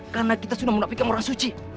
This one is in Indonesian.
karena kita sudah mendapati orang suci